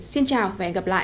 xin chào và hẹn gặp lại